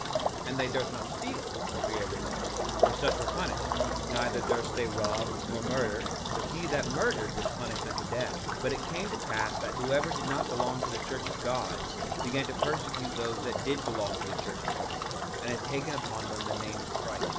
1:18 And they durst not steal, for fear of the law, for such were punished; neither durst they rob, nor murder, for he that murdered was punished unto death. 1:19 But it came to pass that whosoever did not belong to the church of God began to persecute those that did belong to the church of God, and had taken upon them the name of Christ.